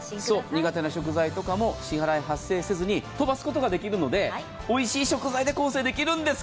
苦手な食材とかも飛ばすことができるので、おいしい食材で構成できるんです。